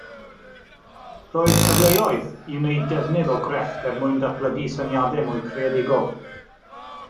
Roedd cyfleoedd i wneud defnydd o grefft er mwyn datblygu syniadau mwy creadigol